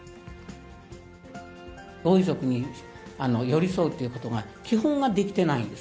ご遺族に寄り添うということが、基本はできてないんです。